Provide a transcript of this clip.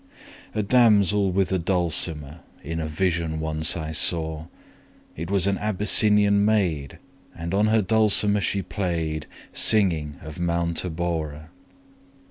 A damsel with a dulcimer In a vision once I saw: It was an Abyssinian maid, And on her dulcimer she play'd, 40 Singing of Mount Abora.